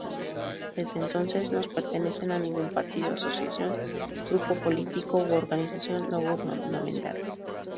Desde entonces no pertenece a ningún partido, asociación, grupo político u Organización No Gubernamental.